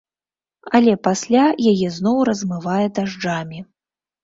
Але пасля яе зноў размывае дажджамі.